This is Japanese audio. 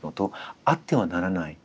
あってはならないこと。